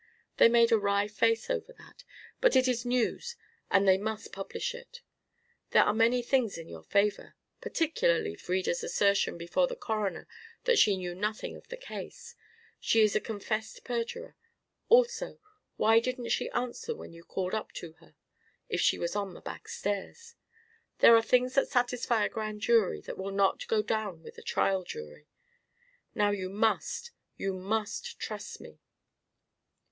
They made a wry face over that, but it is news and they must publish it. There are many things in your favour particularly Frieda's assertion before the coroner that she knew nothing of the case. She is a confessed perjurer. Also, why didn't she answer when you called up to her, if she was on the back stairs? There are things that satisfy a grand jury that will not go down with a trial jury. Now you must, you must trust me."